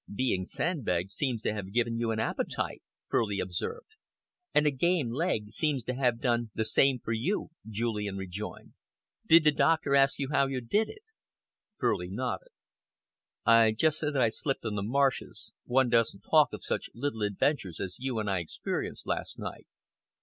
"Being sandbagged seems to have given you an appetite," Furley observed. "And a game leg seems to have done the same for you," Julian rejoined. "Did the doctor ask you how you did it?" Furley nodded. "I just said that I slipped on the marshes. One doesn't talk of such little adventures as you and I experienced last night."